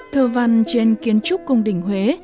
thơ văn trên kiến trúc cung đỉnh huế